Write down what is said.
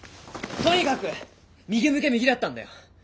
とにかく右向け右だったんだよ。